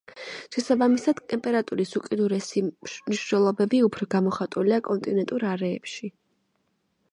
შესაბამისად, ტემპერატურის უკიდურესი მნიშვნელობები უფრო გამოხატულია კონტინენტურ არეებში.